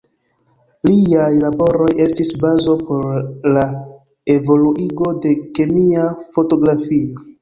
Liaj laboroj estis bazo por la evoluigo de kemia fotografio.